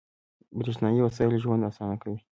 • برېښنايي وسایل ژوند اسانه کوي.